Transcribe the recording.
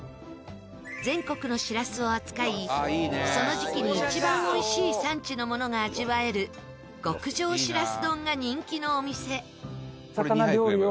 全国のしらすを扱いその時期に一番おいしい産地のものが味わえる極上しらす丼が人気のお店。